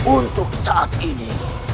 untuk saat ini